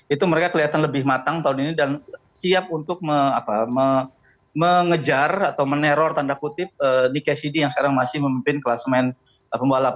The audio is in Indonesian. itu mereka kelihatan lebih matang tahun ini dan siap untuk mengejar atau meneror tanda kutip nikesidi yang sekarang masih memimpin kelas main pembalap